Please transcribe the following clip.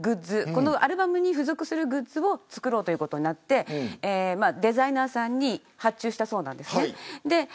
このアルバムに付属するグッズを作ろうということになりデザイナーさんに発注したそうなんです。